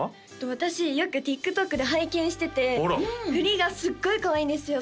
私よくＴｉｋＴｏｋで拝見してて振りがすっごいかわいいんですよ